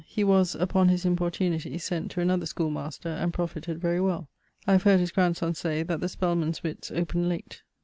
He was (upon his importunity) sent another schoolmaster, and profited very well. I have heard his grandson say, that the Spelmans' witts open late.